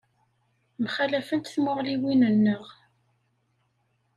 Mxallafent tmuɣliwin-nneɣ.